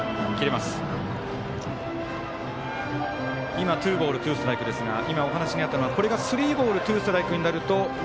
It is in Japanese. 今、ツーボールツーストライクですがお話があったのはスリーボールツーストライクになると。